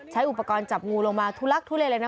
อุปกรณ์จับงูลงมาทุลักทุเลเลยนะ